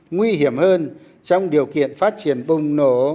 nguy hiểm hơn trong điều kiện phát triển bùng nổ